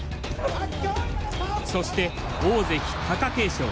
そして大関貴景勝。